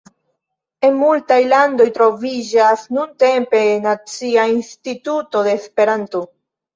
En multaj landoj troviĝas nuntempe nacia instituto de Esperanto.